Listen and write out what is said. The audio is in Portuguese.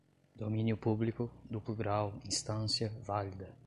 domínio público, duplo grau, instância, válida